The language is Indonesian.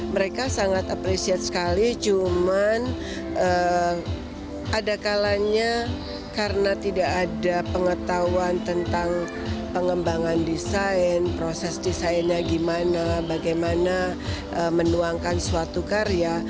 mereka sangat appreciate sekali cuman ada kalanya karena tidak ada pengetahuan tentang pengembangan desain proses desainnya gimana bagaimana menuangkan suatu karya